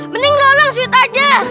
mending gaulang sweet aja